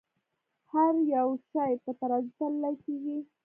هر يو شے پۀ ترازو تللے کيږې